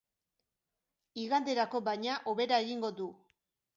Iganderako, baina, hobera egingo du.